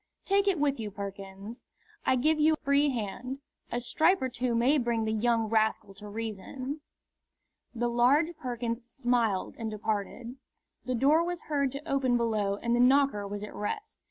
"Take it with you, Perkins. I give you a free hand. A stripe or two may bring the young rascal to reason." The large Perkins smiled and departed. The door was heard to open below and the knocker was at rest.